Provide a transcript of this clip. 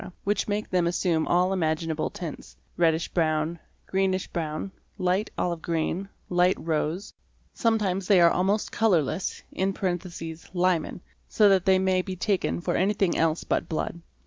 which make them assume all imaginable tints ; reddish brown, greenish brown, light olive green, light rose: some times they are almost colourless (Liman), so that they may be taken for anything else but blood.